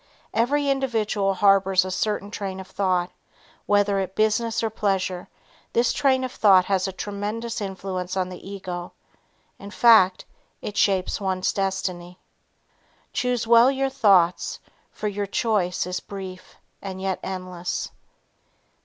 Every individual harbors a certain train of thought, whether at business or pleasure this train of thought has a tremendous influence on the ego, in fact it shapes ones destiny. Choose well your thoughts for your choice is brief and yet endless.